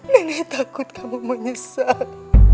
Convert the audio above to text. nenek takut kamu menyesal